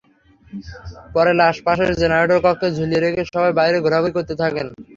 পরে লাশ পাশের জেনারেটর কক্ষে ঝুলিয়ে রেখে বাইরে ঘোরাঘুরি করতে থাকেন।